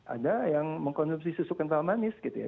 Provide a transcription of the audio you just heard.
ada yang mengkonsumsi susu kental manis gitu ya